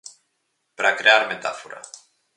Para crear metáfora.